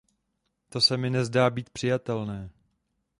To se mi nezdá být přijatelné.